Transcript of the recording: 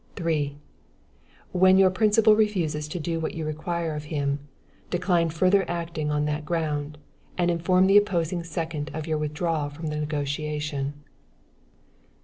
3. When your principal refuses to do what you require of hi, decline further acting on that ground, and inform the opposing second of your withdrawal from the negotiation.